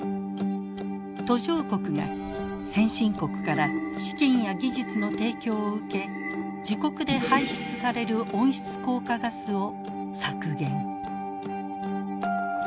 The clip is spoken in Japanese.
途上国が先進国から資金や技術の提供を受け自国で排出される温室効果ガスを削減。